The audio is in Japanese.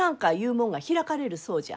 もんが開かれるそうじゃ。